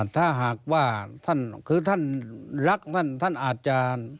ถ้าหากว่าคือท่านเริ่มรักท่านอาจจะ